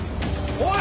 おい！